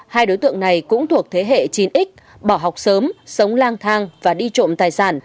hai đối tượng này cũng thuộc thế hệ chín x bỏ học sớm sống lang thang và đi trộm tài sản